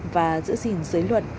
và giữ gìn giới luận